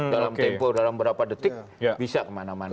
dalam tempo dalam berapa detik bisa kemana mana